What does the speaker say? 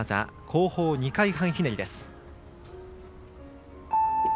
後方２回半ひねり。